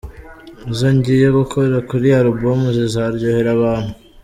Izo ngiye gukora kuri iyi album zizaryohera abantu.